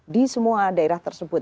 di semua daerah tersebut